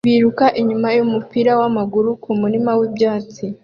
biruka inyuma yumupira wamaguru kumurima wibyatsi